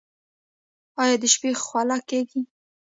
ایا د شپې خوله کیږئ؟